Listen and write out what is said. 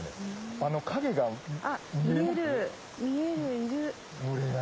あの影が見えます？